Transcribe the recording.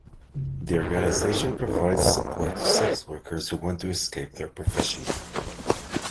The organisation provides support to sex workers who want to escape their profession.